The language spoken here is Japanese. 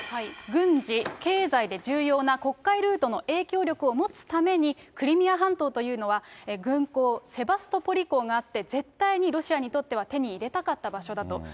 軍事・経済で重要な黒海ルートの影響力を持つためにクリミア半島というのは、軍港、セバストポリ港があって、絶対にロシアにとっては手に入れたかった場所だと。